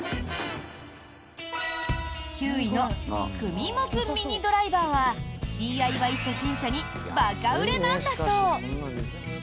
９位のＫｕｍｉｍｏｋｕミニドライバーはＤＩＹ初心者に馬鹿売れなんだそう！